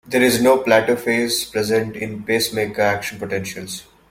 There is no plateau phase present in pacemaker action potentials.